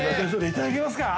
いただけますか？